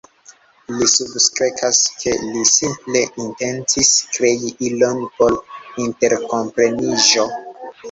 Li substrekas, ke li simple intencis krei ilon por interkompreniĝo.